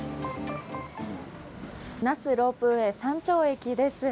那須ロープウェイ山頂駅です。